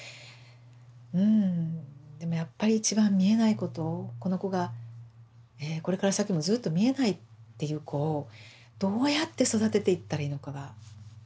うんでもやっぱり一番見えないことこの子がこれから先もずっと見えないっていう子をどうやって育てていったらいいのかがもう自信がないから分かりませんって。